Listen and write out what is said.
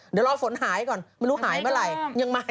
เดี๋ยวรอฝนหายก่อนไม่รู้หายเมื่อไหร่ยังไง